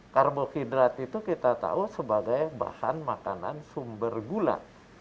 karbohidrat itu kita tahu sebagai bahan makanan sumber gula